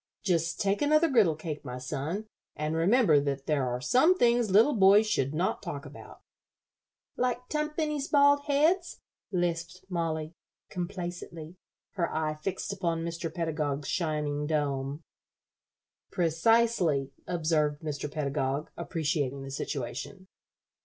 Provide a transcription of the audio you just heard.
Just take another griddle cake, my son, and remember that there are some things little boys should not talk about." "Like tumpany's bald heads?" lisped Mollie, complacently, her eye fixed upon Mr. Pedagog's shining dome. "Precisely," observed Mr. Pedagog, appreciating the situation.